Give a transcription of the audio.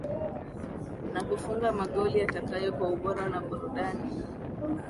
na kufunga magoli atakayo kwa ubora na burudani